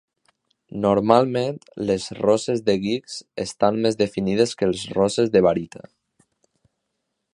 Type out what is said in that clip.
Normalment les roses de guix estan més definides que els roses de barita.